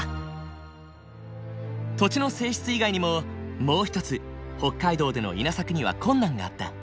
土地の性質以外にももう一つ北海道での稲作には困難があった。